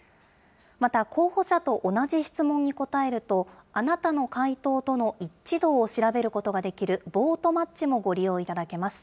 また、候補者と同じ質問に答えると、あなたの回答との一致度を調べることができるボートマッチもご利用いただけます。